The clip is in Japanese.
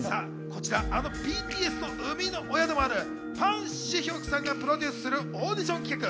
あのＢＴＳの生みの親でもあるパン・シヒョクさんがプロデュースするオーディション企画。